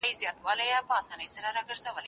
دا امادګي له هغه ګټور دی!.